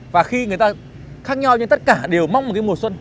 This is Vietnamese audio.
và khi người ta khác nhau tất cả đều mong một mùa xuân